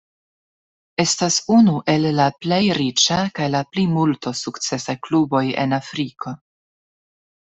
Estas unu el la plej riĉa kaj la plimulto sukcesaj kluboj en Afriko.